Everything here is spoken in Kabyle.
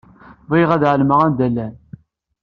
Bɣiɣ ad ɛelmeɣ anda llan.